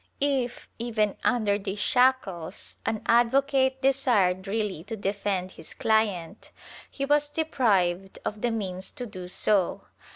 If, even under these shackles, an advocate desired really to defend his client, he was deprived of the means to do so.